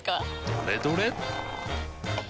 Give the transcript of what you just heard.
どれどれっ！